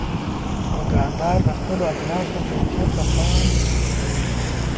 دوکاندار د خپلو اجناسو کیفیت ته پام کوي.